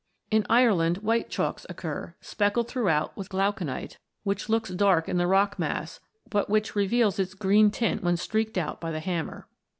In Ireland white chalks occur, speckled throughout with glauconite, which looks dark in the rock mass, but which reveals its green nj THE LIMESTONES 21 tint when streaked out by the hammer.